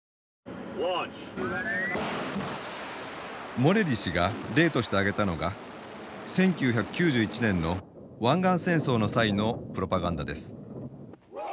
モレリ氏が例として挙げたのが１９９１年の湾岸戦争の際のプロパガンダです。